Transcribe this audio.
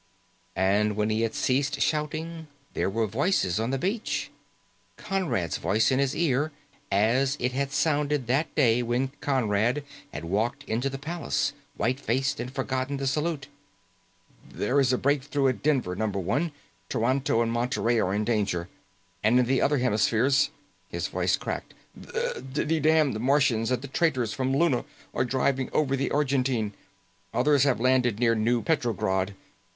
And when he had ceased shouting, there were voices on the beach. Conrad's voice in his ear, as it had sounded that day when Conrad had walked into the palace, white faced, and forgotten the salute. "There is a breakthrough at Denver, Number One! Toronto and Monterey are in danger. And in the other hemispheres " His voice cracked. " the damned Martians and the traitors from Luna are driving over the Argentine. Others have landed near New Petrograd.